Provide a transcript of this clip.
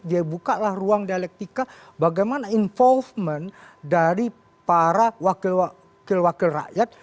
dia bukalah ruang dialektika bagaimana involvement dari para wakil wakil rakyat